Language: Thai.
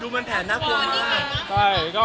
ดูมันแผนน่ากล่วงมาก